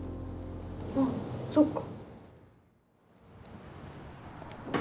あっそっか。